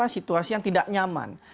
situasi yang tidak nyaman